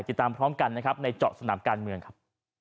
ติดตามพร้อมกันนะครับในเจาะสนามการเมืองครับ